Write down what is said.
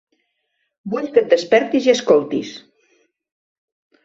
Vull que et despertis i escoltis.